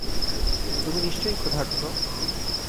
তুমি নিশ্চই ক্ষুধার্ত।